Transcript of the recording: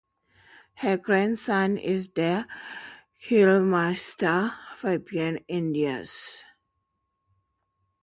Her grandson is the Kapellmeister Fabian Enders.